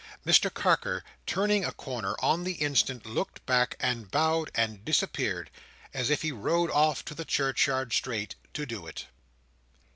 Mr Carker turning a corner, on the instant, looked back, and bowed, and disappeared, as if he rode off to the churchyard straight, to do it.